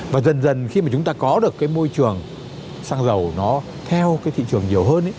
và dần dần khi mà chúng ta có được cái môi trường xăng dầu nó theo cái thị trường nhiều hơn